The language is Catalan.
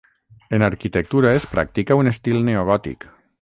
En arquitectura es practica un estil neogòtic.